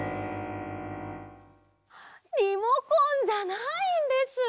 リモコンじゃないんです。